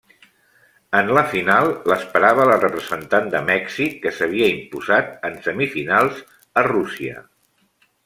En la final, l'esperava la representant de Mèxic que s'havia imposat en semifinals a Rússia.